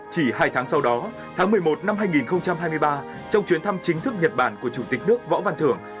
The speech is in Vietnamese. chỉ hai tháng sau đó tháng một mươi một năm hai nghìn hai mươi ba trong chuyến thăm chính thức nhật bản của chủ tịch nước võ văn thưởng